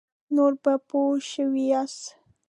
نور به پوه شوي یاست.